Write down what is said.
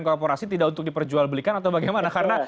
korporasi tidak untuk diperjual belikan atau bagaimana